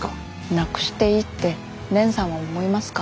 なくしていいって蓮さんは思いますか？